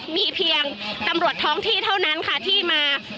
มีเพียงตำรวจท้องที่เท่านั้นค่ะที่มา